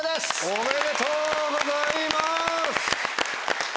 おめでとうございます！